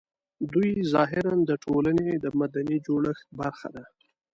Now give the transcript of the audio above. دوی ظاهراً د ټولنې د مدني جوړښت برخه ده